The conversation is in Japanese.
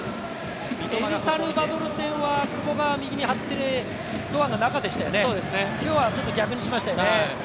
エルサルバドル戦は久保が外に張って堂安が中でしたよね、今日はちょっと逆にしましたよね。